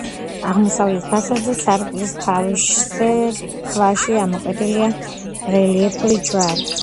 აღმოსავლეთ ფასადზე, სარკმლის თავზე, ქვაში ამოკვეთილია რელიეფური ჯვარი.